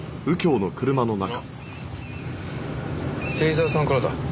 芹沢さんからだ。